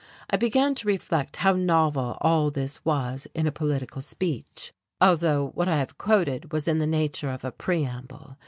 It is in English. I began to reflect how novel all this was in a political speech although what I have quoted was in the nature of a preamble.